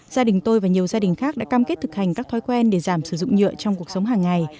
gia đình tôi và nhiều gia đình khác đã cam kết thực hành các thói quen để giảm sử dụng nhựa trong cuộc sống hàng ngày